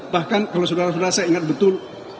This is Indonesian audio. bahkan kalau saudara saudara saya ingat betul